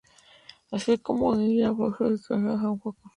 Así fue como dio inicio el proceso total del Centro Cultural.